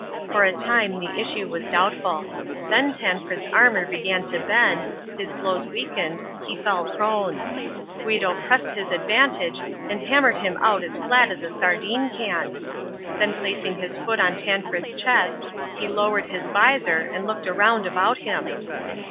For a time the issue was doubtful. Then Tancred's armour began to bend, his blows weakened, he fell prone. Guido pressed his advantage and hammered him out as flat as a sardine can. Then placing his foot on Tancred's chest, he lowered his vizor and looked around about him.